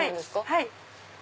はい。